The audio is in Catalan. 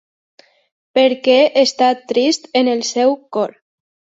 Perquè està trist en el seu cor.